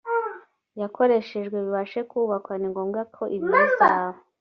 yakoreshejwe bibashe kubakwa ni ngombwa ko ibi bizaba